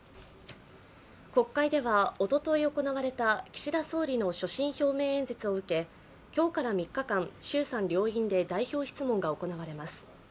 国会ではおととい行われた岸田総理の所信表明演説を受け、今日から３日間、衆参両院で代表質問が行われます。